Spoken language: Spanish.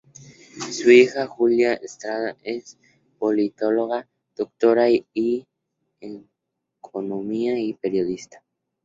Su hija, Julia Strada, es Politóloga, Doctora en Economía y periodista.